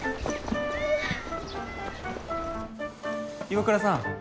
岩倉さん。